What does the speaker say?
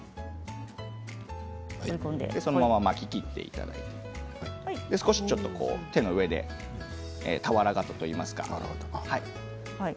そのまま巻ききっていただいて少し手の上で俵形といいますか。